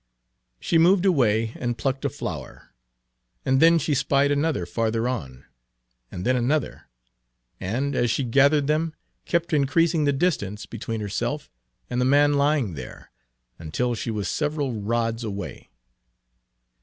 She moved away, and plucked a flower. And then she spied another farther on, and then another, and, as she gathered them, kept increasing the distance between herself and the man lying there, until she was several rods away.